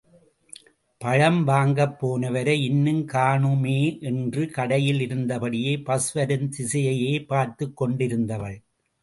பழம் வாங்கப்போனவரை இன்னும் காணுமே என்று கடையில் இருந்தபடியே, பஸ் வரும் திசையையே பார்த்துக் கொண்டிருந்தவள்.